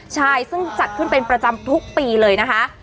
ใช่ซึ่งจัดขึ้นเป็นประจำทุกปีเลยนะคะ